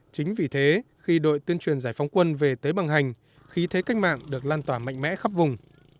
chính vì thế khi đội tuyên truyền giải phóng quân về tế bằng hành khí thế cách mạng được lan tỏa mạnh mẽ khắp vùng